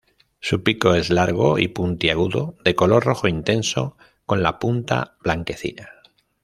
Su pico es largo y puntiagudo, de color rojo intenso con la punta blanquecina.